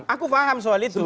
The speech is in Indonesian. aku paham soal itu